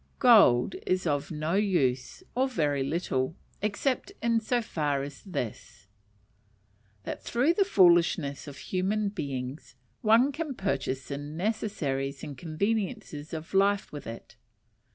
Gold is of no use, or very little, except in so far as this that through the foolishness of human beings, one can purchase the necessaries and conveniences of life with it.